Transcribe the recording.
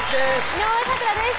井上咲楽です